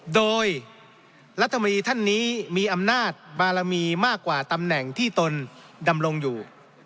โดยรัฐมนตรีท่านนี้มีอำนาจบารมีมากกว่าตำแหน่งที่ตนดำรงอยู่